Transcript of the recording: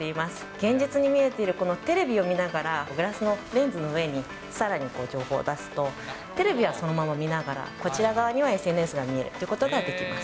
現実に見えているこのテレビを見ながら、グラスのレンズの上にさらに情報を出すと、テレビはそのまま見ながらこちら側にはＳＮＳが見えるということができます。